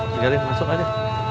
tinggalin masuk aja